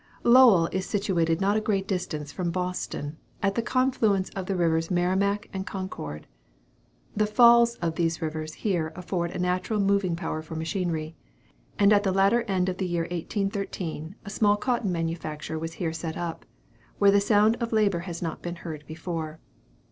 Lowell is situated not a great distance from Boston, at the confluence of the rivers Merrimac and Concord. The falls of these rivers here afford a natural moving power for machinery; and at the latter end of the year 1813 a small cotton manufacture was here set up, where the sound of labor had not been heard before.